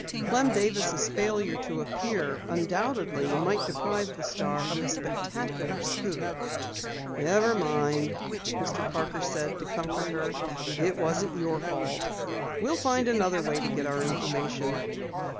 Clem Davis' failure to appear undoubtedly might deprive the Star of a spectacular scoop. "Never mind," Mr. Parker said to comfort her. "It wasn't your fault. We'll find another way to get our information."